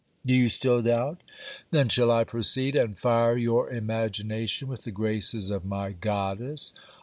Do you still doubt? Then shall I proceed, and fire your imagination with the graces of my goddess.